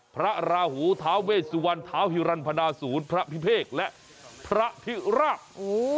พระราหูท้าเวสุวรรณท้าวฮิรันพนาศูนย์พระพิเภกและพระพิราบ